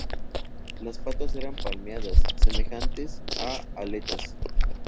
Las patas eran palmeadas, semejantes a aletas.